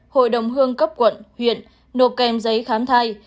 hội đồng hương cấp quận huyện nộp kèm giấy khám thai